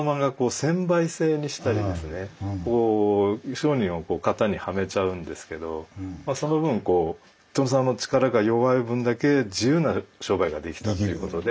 商人を型にはめちゃうんですけどまあその分こう殿様の力が弱い分だけ自由な商売ができたっていうことで。